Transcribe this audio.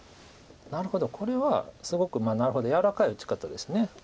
なるほどこれはすごく柔らかい打ち方です。